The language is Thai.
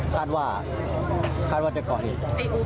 คาดว่าคาดว่าจะก่อเหตุ